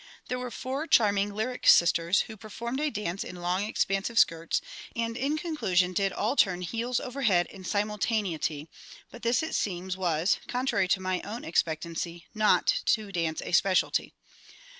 There were "four Charming Lyric Sisters," who performed a dance in long expansive skirts, and in conclusion did all turn heels over head in simultaneity; but this, it seems, was contrary to my own expectancy not to dance a speciality.